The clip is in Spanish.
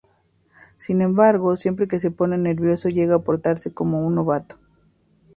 Sin embargo siempre que se pone nervioso llega a portarse como un novato.